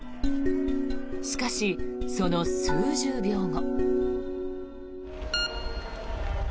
しかし、その数十秒後。